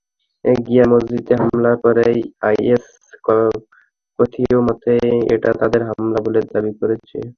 শিয়া মসজিদে হামলার পরেই আইএস কথিতমতে এটা তাদের হামলা বলে দাবি করেছে।